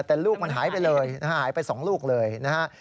แต่ลูกมันหายไปเลยนะฮะหายไป๒ลูกเลยนะฮะ